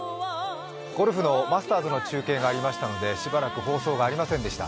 ゴルフのマスターズの中継がありましたので、しばらく放送がありませんでした。